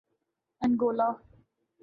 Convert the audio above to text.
Angola